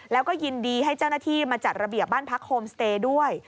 แล้วก็ยินดีให้เจ้าหน้าที่มาจัดระเบียบบ้านพักโฮมสเตย์ด้วย